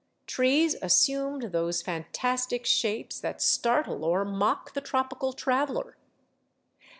Trees assumed those fantastic shapes that startle or mock the tropical traveler.